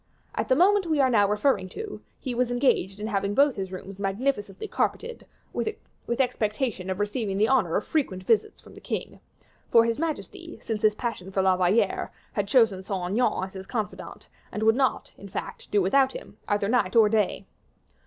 At the moment we are now referring to, he was engaged in having both his rooms magnificently carpeted, with expectation of receiving the honor of frequent visits from the king; for his majesty, since his passion for La Valliere, had chosen Saint Aignan as his confidant, and could not, in fact, do without him, either night or day.